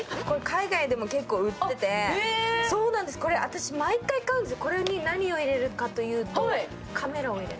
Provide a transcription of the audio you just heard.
これ、私、毎回買うんです。